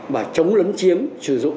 và chống lấn chiếm sử dụng